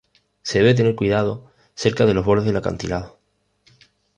Se debe tener cuidado cerca de los bordes del acantilado.